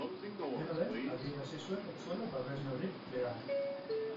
Dena den, adierazi zuen ez zuela babes-neurririk behar.